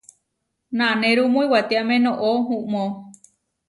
Nanérumu iwatiáme noʼó uʼmó.